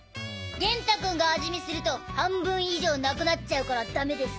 元太君が味見すると半分以上なくなっちゃうからダメです！